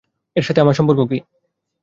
এর সাথে আমার সম্পর্ক কী?